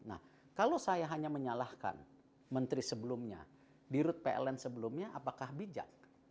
nah kalau saya hanya menyalahkan menteri sebelumnya di rut pln sebelumnya apakah bijak